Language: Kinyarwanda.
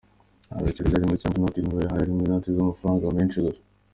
Nta biceri byarimo cyangwa inoti ntoya, hari harimo inoti z’amafaranga menshi gusa.”